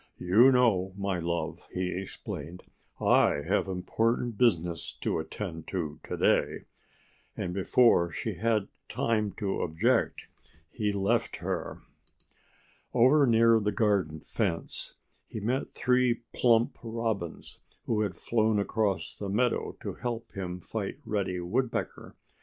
"You know, my love," he explained, "I have important business to attend to to day." And before she had time to object he left her. Over near the garden fence he met three plump Robins who had flown across the meadow to help him fight Reddy Woodpecker.